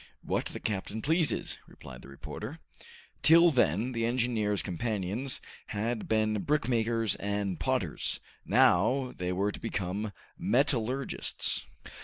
"What the captain pleases," replied the reporter. Till then the engineer's companions had been brickmakers and potters, now they were to become metallurgists.